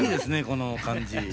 この感じ。